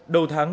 đầu tháng năm